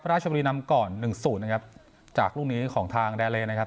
ราชบุรีนำก่อนหนึ่งศูนย์นะครับจากลูกนี้ของทางแดเลนะครับ